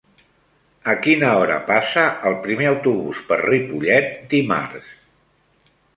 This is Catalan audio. A quina hora passa el primer autobús per Ripollet dimarts?